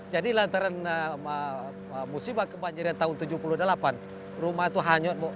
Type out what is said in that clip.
jadi lantaran musibah kebanjiran tahun seribu sembilan ratus tujuh puluh delapan rumah itu hanyut bu